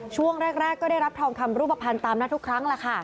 ช่วงแรกก็ได้รับทองคำรูปภัณฑ์ตามหน้าทุกครั้งล่ะค่ะ